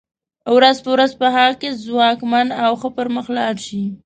ورځ په ورځ په هغه کې ځواکمن او ښه پرمخ لاړ شي.